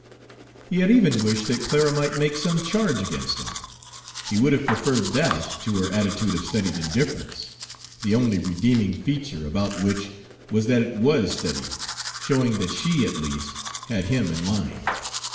He had even wished that Clara might make some charge against him, he would have preferred that to her attitude of studied indifference, the only redeeming feature about which was that it was studied, showing that she, at least, had him in mind.